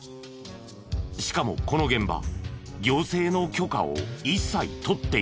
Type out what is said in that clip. しかもこの現場行政の許可を一切とっていない。